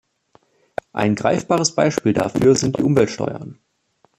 Ein greifbares Beispiel dafür sind die Umweltsteuern.